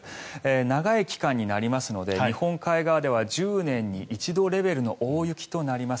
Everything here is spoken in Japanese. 長い期間になりますので日本海側では１０年に一度レベルの大雪となります。